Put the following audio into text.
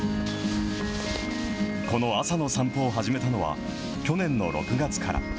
この朝の散歩を始めたのは去年の６月から。